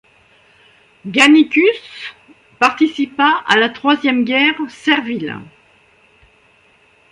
Gannicus participa à la Troisième Guerre servile.